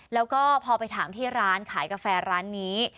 แล้วก็พอไปถามที่ร้านขายกาแฟร้านนี้